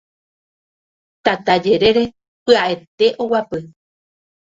tata jerére pya'ete oguapy